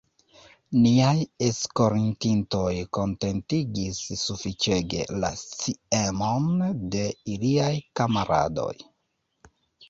Niaj eskortintoj kontentigis sufiĉege la sciemon de iliaj kamaradoj.